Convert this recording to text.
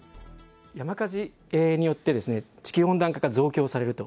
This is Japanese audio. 山火事によって、地球温暖化が増強されると。